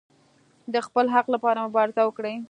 د خپل حق لپاره مبارزه وکړئ